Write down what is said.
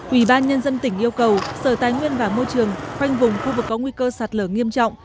ủy ban nhân dân tỉnh yêu cầu sở tài nguyên và môi trường khoanh vùng khu vực có nguy cơ sạt lở nghiêm trọng